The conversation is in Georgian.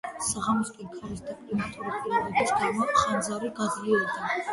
საღამოსკენ, ქარის და კლიმატური პირობების გამო, ხანძარი გაძლიერდა.